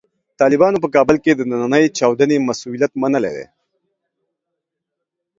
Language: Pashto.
طالبانو په کابل کې د نننۍ چاودنې مسوولیت منلی دی.